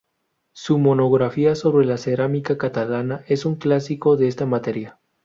Su monografía sobre la cerámica catalana es un clásico en esta materia.